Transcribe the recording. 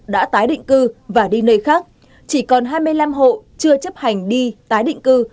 đã tái định cư và đi nơi khác chỉ còn hai mươi năm hộ chưa chấp hành đi tái định cư